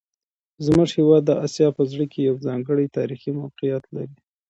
زموږ هیواد د اسیا په زړه کې یو ځانګړی تاریخي موقعیت لري.